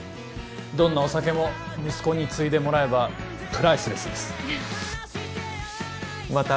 どんなお酒も息子についでもらえばプライスレスですまた